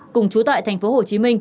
cùng chú tại tp hcm